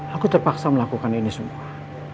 aku terpaksa melakukan ini semua